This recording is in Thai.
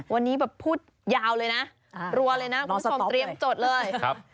วันนี้แบบพูดยาวเลยนะรัวเลยนะคุณผู้ชมเตรียมจดเลยครับ